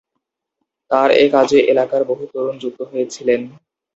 তার এ কাজে এলাকার বহু তরুণ যুক্ত হয়েছিলেন।